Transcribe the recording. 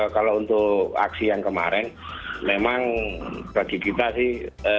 kalau untuk aksi yang kemarin memang bagi kita sih